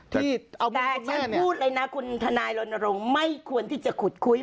แต่ฉันพูดเลยนะคุณทนายรณรงค์ไม่ควรที่จะขุดคุย